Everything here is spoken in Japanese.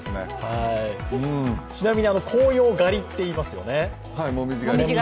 ちなみに紅葉狩りって言いますよね。